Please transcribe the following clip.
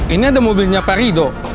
ini ada mobilnya pak rido